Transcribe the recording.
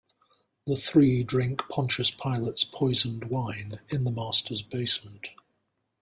The three drink Pontius Pilate's poisoned wine in the Master's basement.